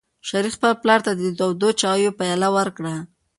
شریف خپل پلار ته د تودو چایو پیاله ورکړه.